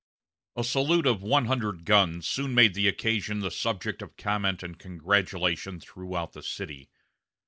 A salute of one hundred guns soon made the occasion the subject of comment and congratulation throughout the city.